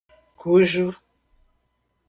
cujo